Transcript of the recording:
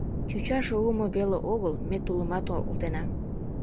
Чӱчаш руымо веле огыл, ме тулымат олтена.